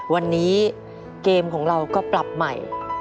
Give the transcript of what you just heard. วันนี้เกมของเราก็ปรับใหม่